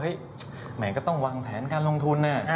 เห้ยแหม่งก็ต้องวางแผนการลงทุนน่ะ